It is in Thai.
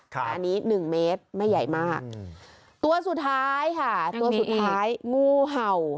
ค่ะอันนี้หนึ่งเมตรไม่ใหญ่มากอืมตัวสุดท้ายค่ะมีงูเห่า